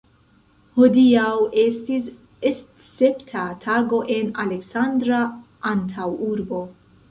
Hodiaŭ estis escepta tago en Aleksandra antaŭurbo.